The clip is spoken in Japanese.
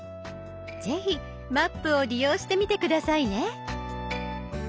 是非「マップ」を利用してみて下さいね。